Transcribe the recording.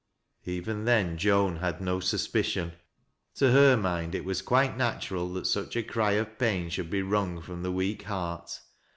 Even then Joan had no suspicion. To her mind it wae quite natural that such a cry of pain should be wrung from the weak heart.